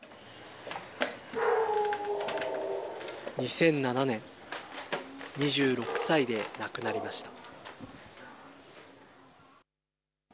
２００７年、２６歳で亡くなりました。